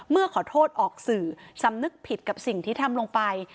เมื่อขอโทษออกสื่อสำนึกผิดกับสิ่งที่ทำลงไป